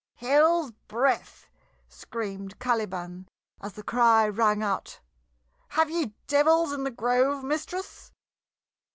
"Hell's breath!" screamed Caliban, as the cry rang out. "Have ye devils in the Grove, mistress?"